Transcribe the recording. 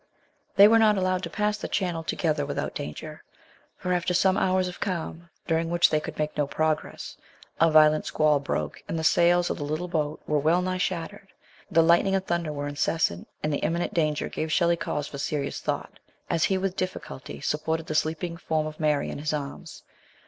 They were not allowed to pass the Channel together without danger, for after some hours of calm, during MARY AND SHELLEY. 69 which they could make no progress, a violent squall broke, and the sails of the little boat were well nigh shattered, the lightning and thunder were incessant, and the imminent danger gave Shelley cause for serious thought, as he with difficulty supported the sleeping form of Mary in his arms.